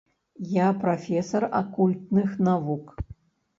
Я прафесар акультных навук.